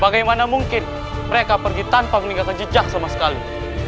bagaimana mungkin mereka pergi tanpa meninggalkan jejak sama sekali